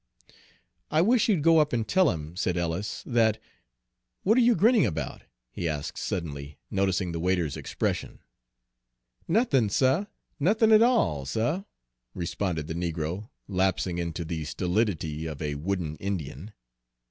"I wish you'd go up and tell him," said Ellis, "that What are you grinning about?" he asked suddenly, noticing the waiter's expression. "Nothin', suh, nothin' at all, suh," responded the negro, lapsing into the stolidity of a wooden Indian.